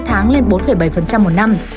sáu tháng lên sáu một năm